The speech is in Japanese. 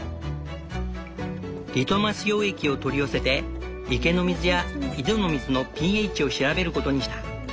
リトマス溶液を取り寄せて池の水や井戸の水のｐＨを調べることにした。